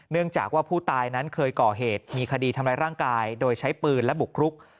เนื่องจากว่าผู้ตายนั้นเคยก่อเหตุมีคดีทำร้ายร่างกายโดยใช้ปืนและบุกรุก